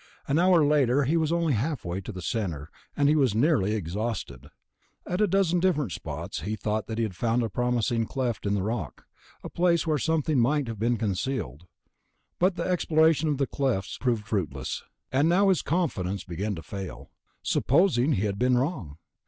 An hour later he was only halfway to the center, and he was nearly exhausted. At a dozen different spots he thought he had found a promising cleft in the rock, a place where something might have been concealed ... but exploration of the clefts proved fruitless. And now his confidence began to fail. Supposing he had been wrong?